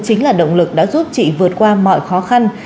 chính là động lực đã giúp chị vượt qua mọi khó khăn